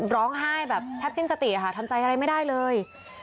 ร้องไห้แบบแทบสิ้นสติค่ะทำใจอะไรไม่ได้เลย